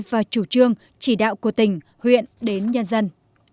và chủ trương chỉ đạo của tỉnh huyện đến nhân dân